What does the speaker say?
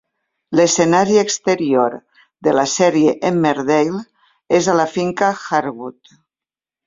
L'escenari exterior de la sèrie "Emmerdale" és a la finca Harewood.